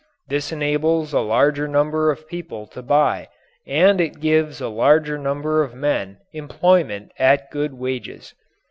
This enables a larger number of people to buy and it gives a larger number of men employment at good wages.